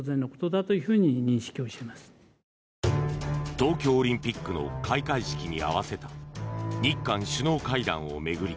東京オリンピックの開会式に合わせた日韓首脳会談を巡り